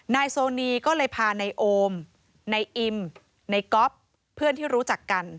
นายโซนีก็เลยพาในโอมในอิมในก๊อฟเพื่อนที่รู้จักกัน